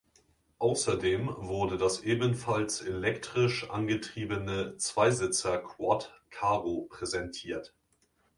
Außerdem wurde das ebenfalls elektrisch angetriebene Zweisitzer-Quad Karo präsentiert.